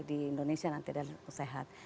di indonesia nanti dan sehat